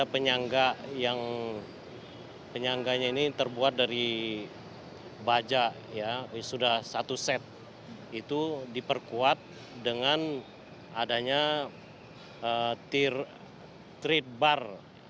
penyangga yang penyangganya ini terbuat dari baja ya sudah satu set itu diperkuat dengan adanya treat bar